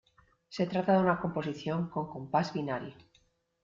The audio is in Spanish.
Se trata de una composición con compás binario.